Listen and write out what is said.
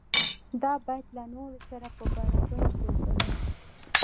دا باید له نورو سره په برابره توګه وي.